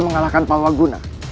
jangan hukum aku